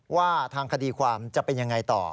ว่าทางคดีความจะเป็นยังไงต่อ